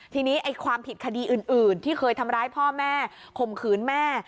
ทีนี้ความผิดคดีอื่นที่เคยทำร้ายพ่อแม่ข่มขืนแม่